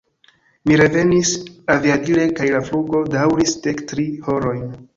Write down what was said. Mi revenis aviadile kaj la flugo daŭris dek tri horojn.